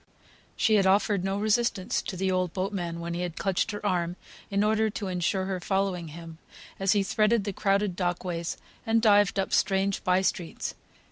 She had offered no resistance to the old boatman, when he had clutched her arm, in order to insure her following him, as he threaded the crowded dock ways, and dived up strange bye streets.